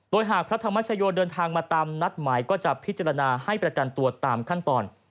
โดยหากพระธรรมชโยเดินทางมาตามนัดหมายก็จะพิจารณาให้ประกันตัวตามขั้นตอน